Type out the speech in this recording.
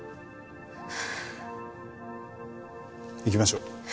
行きましょう。